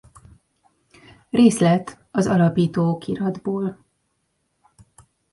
Részlet az alapító okiratból.